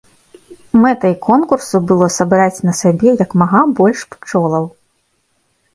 Мэтай конкурсу было сабраць на сабе як мага больш пчолаў.